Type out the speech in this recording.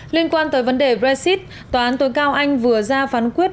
liên quan tới vấn đề brexit tòa án tối cao anh vừa ra phán quyết